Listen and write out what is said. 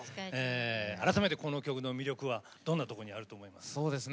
改めて、この曲の魅力はどんなところにあると思いますか。